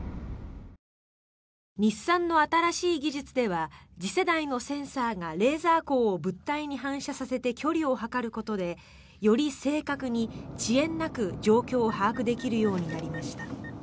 日産の新しい技術では次世代のセンサーがレーザー光を物体に反射させて距離を測ることでより正確に遅延なく状況を把握できるようになりました。